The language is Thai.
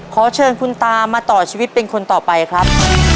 ขอเชิญคุณตามาต่อชีวิตเป็นคนต่อไปครับ